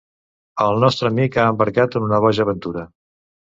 El nostre amic ha embarcat en una boja aventura.